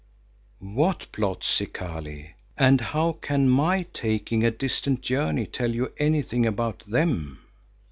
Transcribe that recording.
"What plots, Zikali, and how can my taking a distant journey tell you anything about them?"